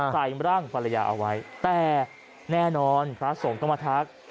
ใส่ร่างภรรยาเอาไว้แต่แน่นอนพระสงฆ์ก็มาทัก